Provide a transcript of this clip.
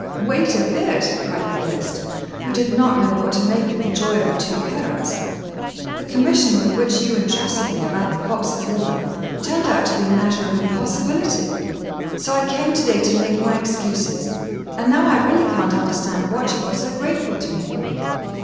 "Wait a bit!" cried the guest, who did not know what to make of the joy of the two parents. "The commission with which you entrusted me about the fox's liver turned out to be a matter of impossibility, so I came to day to make my excuses; and now I really can't understand what you are so grateful to me for."